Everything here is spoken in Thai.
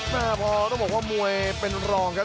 แม่พอต้องบอกว่ามวยเป็นรองครับ